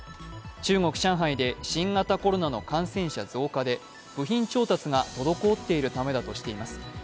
中国・上海で新型コロナの感染者拡大で部品調達が滞っているためだとしています。